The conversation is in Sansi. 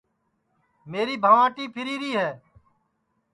میری بھنٚواٹی پھیریری ہے